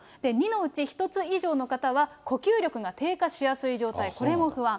２のうち１つ以上の方は呼吸力が低下しやすい状態、これも不安。